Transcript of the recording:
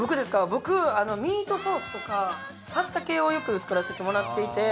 僕ミートソースとかパスタ系をよく作らせてもらっていて。